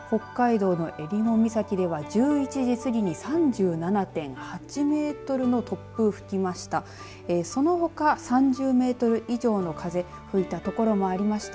北海道のえりも岬では１１時過ぎに３７．８メートルの突風が吹きました。